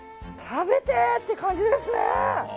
食べてって感じですね！